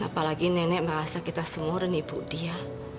apalagi nenek merasa kita semua renipu dia